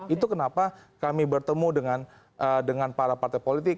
itu kenapa kami bertemu dengan para partai politik